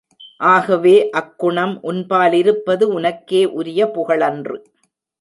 ஆகவே அக்குணம் உன்பாலிருப்பது உனக்கே உரிய புகழன்று.